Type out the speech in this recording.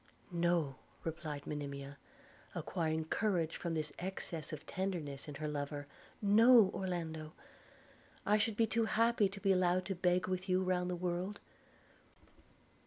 'No,' replied Monimia, acquiring courage from this excess of tenderness in her lover – 'no, Orlando, I should be too happy to be allowed to beg with you round the world.'